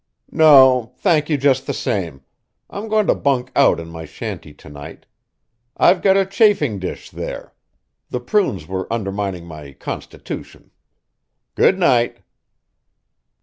"No. Thank you, just the same. I'm going to bunk out in my shanty to night. I've got a chafing dish there. The prunes were undermining my constitution. Good night!"